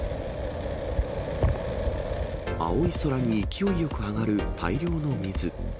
青い空に勢いよく上がる大量の水。